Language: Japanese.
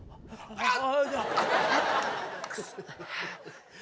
あっ！